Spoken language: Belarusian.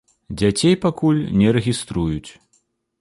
Дзяцей пакуль не рэгіструюць.